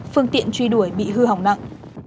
phương tiện truy đuổi bị hư hỏng nặng